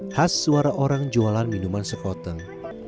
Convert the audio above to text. khas suara orang jualan minuman sekoteng